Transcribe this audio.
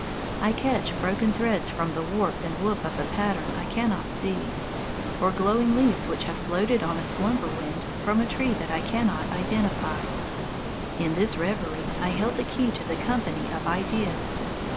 I catch broken threads from the warp and woof of a pattern I cannot see, or glowing leaves which have floated on a slumber wind from a tree that I cannot identify. In this reverie I held the key to the company of ideas.